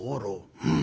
「うん。